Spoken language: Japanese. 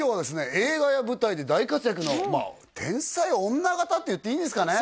映画や舞台で大活躍の天才女形っていっていいんですかね